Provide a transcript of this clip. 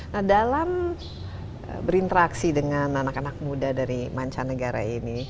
nah dalam berinteraksi dengan anak anak muda dari mancanegara ini mereka kan belajar secara teknisnya ya